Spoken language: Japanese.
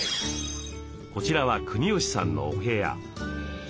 こちらは国吉さんのお部屋。